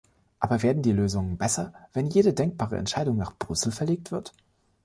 Aber werden die Lösungen besser, wenn jede denkbare Entscheidung nach Brüssel verlegt wird?